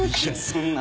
そんな。